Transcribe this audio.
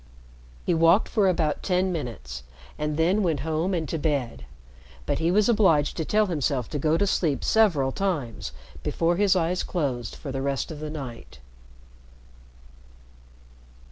He walked for about ten minutes, and then went home and to bed. But he was obliged to tell himself to go to sleep several times before his eyes closed for the rest of the night.